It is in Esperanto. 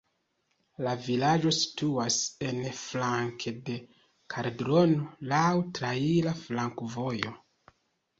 La vilaĝo situas en flanke de kaldrono, laŭ traira flankovojo.